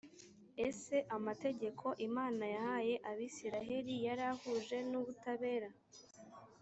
ese amategeko imana yahaye abisirayeli yari ahuje n ubutabera